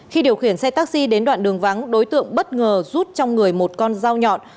khi điều khiển xe taxi đến đoạn đường vắng đối tượng bất ngờ rút trong người một con dao nhọn